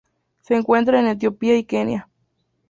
Se encuentra en Etiopía y Kenia.